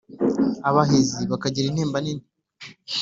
Abahizi bakagira intimba nini